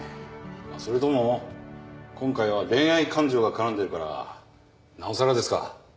それとも今回は恋愛感情がからんでるからなおさらですか？